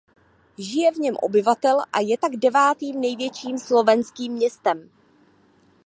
Žije v něm obyvatel a je tak devátým největším slovenským městem.